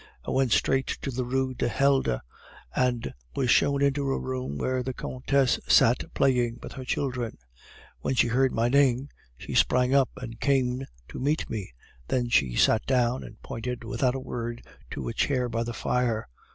"I went straight to the Rue du Helder, and was shown into a room where the Countess sat playing with her children. When she heard my name, she sprang up and came to meet me, then she sat down and pointed without a word to a chair by the fire.